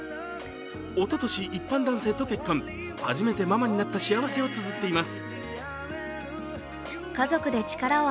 おととし一般男性と結婚、初めてママになった幸せをつづっています。